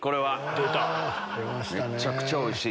めっちゃくちゃおいしい。